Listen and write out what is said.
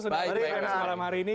sudah menonton pemirsa alamari ini